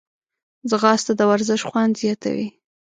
ځغاسته د ورزش خوند زیاتوي